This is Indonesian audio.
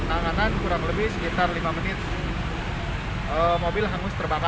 penanganan kurang lebih sekitar lima menit mobil hangus terbakar